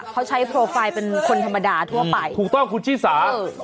เขาใช้โปรไฟล์เป็นคนธรรมดาทั่วไปถูกต้องคุณชิสาเออ